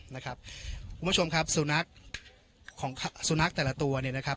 นะครับคุณผู้ชมครับสุนัขของสุนัขแต่ละตัวเนี่ยนะครับ